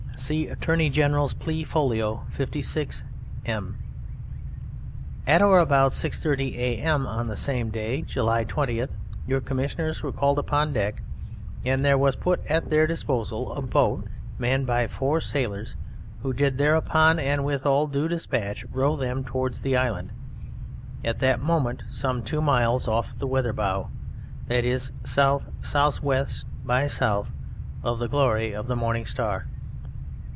(See Attorney General's Plea, Folio 56, M.) At or about 6.30 a.m. of the same day, July 20th, your Commissioners were called upon deck, and there was put at their disposal a beat manned by four sailors, who did thereupon and with all due dispatch row them towards the island, at that moment some two miles off the weather bow, that is S.S.W. by S. of the "Glory of the Morning Star."